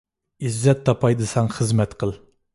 ئىززەت تاپاي دىسەڭ خىزمەت قىل.